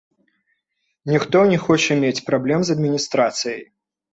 Ніхто не хоча мець праблем з адміністрацыяй.